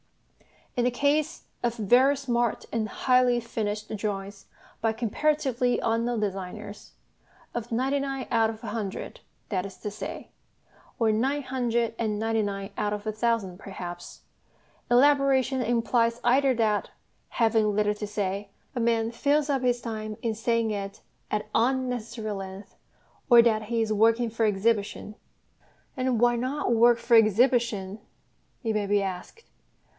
In the case of very smart and highly finished drawings by comparatively unknown designers of ninety nine out of a hundred, that is to say, or nine hundred and ninety nine out of a thousand perhaps elaboration implies either that, having little to say, a man fills up his time in saying it at unnecessary length, or that he is working for exhibition. And why not work for exhibition? it may be asked.